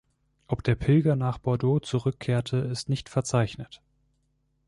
Ob der Pilger nach Bordeaux zurückkehrte, ist nicht verzeichnet.